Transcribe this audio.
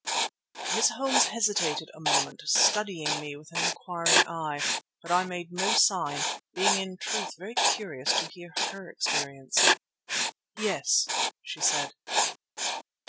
Miss Holmes hesitated a moment, studying me with an inquiring eye. But I made no sign, being in truth very curious to hear her experience. "Yes," she said.